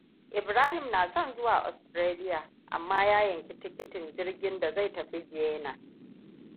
Ibrahim na son zuwa Australia, amma ya yanki tikitin jirgin da zai tafi Vienna.